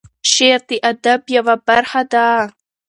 شعر د ادب یوه برخه ده.